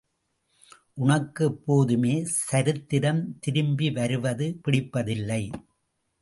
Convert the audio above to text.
உனக்கு எப்போதுமே சரித்திரம் திரும்பி வருவது பிடிப்பதில்லை.